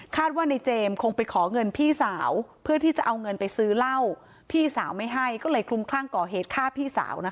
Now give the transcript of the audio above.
ว่าในเจมส์คงไปขอเงินพี่สาวเพื่อที่จะเอาเงินไปซื้อเหล้าพี่สาวไม่ให้ก็เลยคลุมคลั่งก่อเหตุฆ่าพี่สาวนะคะ